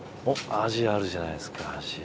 アジあるじゃないですかアジ。